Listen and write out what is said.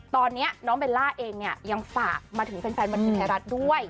ตอนนี้น้องเบลล่าเองเนี่ยยังฝากมาถึงแฟนบันเทิงไทยรัฐด้วย